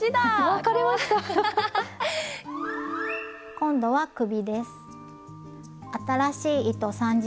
今度は首です。